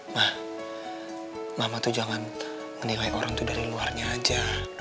mah mama tuh jangan menilai orang itu dari luarnya aja